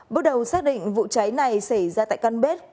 bước đầu xác định vụ cháy này xảy ra tại căn bếp